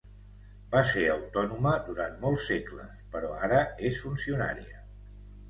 Va ser autònoma durant molts segles, però ara és funcionària.